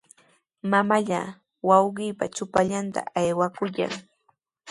Mamallaa wawqiipa chumpallanta awakuykan.